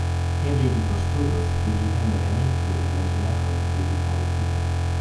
Eble li postulos, ke vi mem remetu la manĝilaron de vi formetitan.